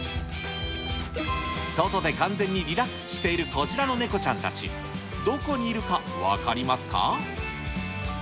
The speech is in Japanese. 外で完全にリラックスしているこちらのネコちゃんたち、どこにいるか分かりますか？